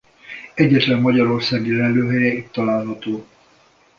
Egyetlen magyarországi lelőhelye itt található.